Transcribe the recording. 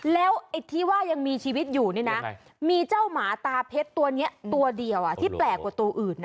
แล้วไอ้ที่ว่ายังมีชีวิตอยู่นี่นะมีเจ้าหมาตาเพชรตัวนี้ตัวเดียวที่แปลกกว่าตัวอื่น